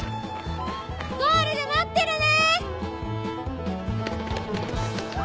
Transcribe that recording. ゴールで待ってるね！